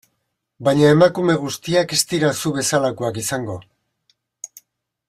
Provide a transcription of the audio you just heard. Baina emakume guztiak ez dira zu bezalakoak izango...